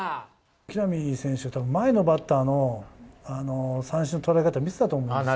木浪選手はたぶん、前のバッターの三振の取られ方、見てたと思うんですよね。